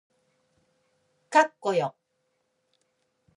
かっこよ